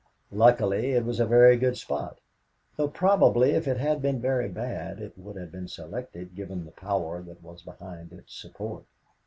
Luckily, it was a very good spot, though probably if it had been very bad, it would have been selected, given the power that was behind its support.